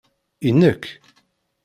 I nekk?